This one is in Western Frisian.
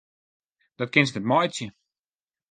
Dat kinst net meitsje!